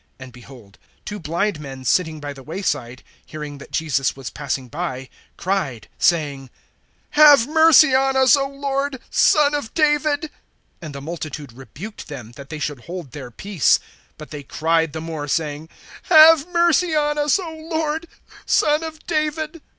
(30)And behold, two blind men sitting by the way side, hearing that Jesus was passing by, cried, saying: Have mercy on us, O Lord, Son of David. (31)And the multitude rebuked them, that they should hold their peace. But they cried the more, saying: Have mercy on us, O Lord, Son of David.